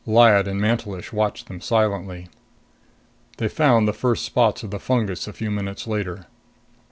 Lyad and Mantelish watched them silently. They found the first spots of the fungus a few minutes later.